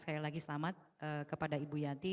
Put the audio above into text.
sekali lagi selamat kepada ibu yanti